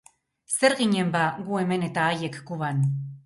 Zer ginen ba, gu hemen eta haiek Kuban?